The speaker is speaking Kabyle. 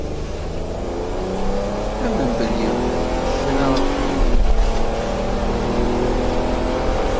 Amen belli ar kra n wayen i k-d-yenna d ixeṛṛurra.